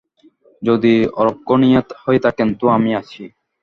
যদি অরক্ষণীয়া হয়ে থাকেন তো আমি আছি।